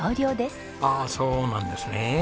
ああそうなんですねえ。